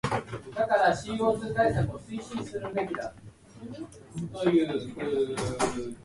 Dehydration of succinic acid gives succinic anhydride.